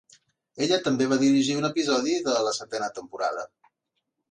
Ella també va dirigir un episodi de la setena temporada.